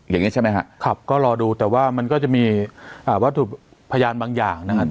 อย่างนี้ใช่ไหมครับก็รอดูแต่ว่ามันก็จะมีวัตถุพยานบางอย่างนะครับ